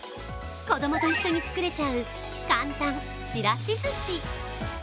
子供と一緒に作れちゃう、簡単ちらし寿司。